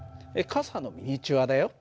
傘のミニチュアだよ。